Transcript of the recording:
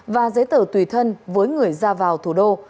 và giấy tờ tùy thân với người ra vào thủ đô